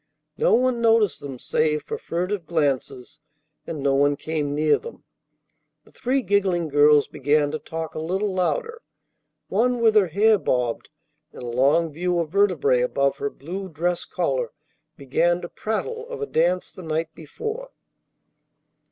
No one noticed them save for furtive glances, and no one came near them. The three giggling girls began to talk a little louder. One with her hair bobbed and a long view of vertebrae above her blue dress collar began to prattle of a dance the night before.